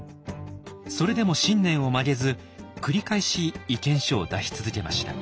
それでも信念を曲げず繰り返し意見書を出し続けました。